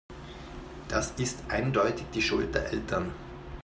Das ist eindeutig die Schuld der Eltern.